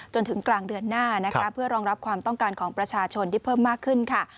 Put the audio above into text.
จนถึงกลางเดือนหน้านะคะเพื่อรองรับความต้องการของประชาชนที่เพิ่มมากขึ้นค่ะ